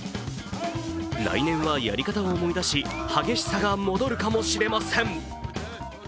来年は、やり方を思い出し激しさが戻るかもしれません。